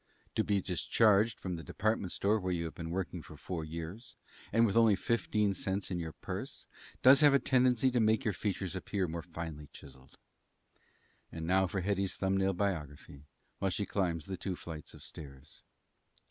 To be discharged from the department store where you have been working four years, and with only fifteen cents in your purse, does have a tendency to make your features appear more finely chiselled. And now for Hetty's thumb nail biography while she climbs the two flights of stairs.